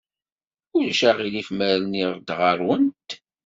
Ulac aɣilif ma rniɣ-d ɣer-went?